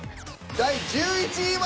第１１位は。